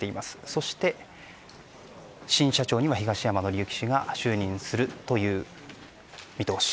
そして新社長には東山紀之氏が就任するという見通し。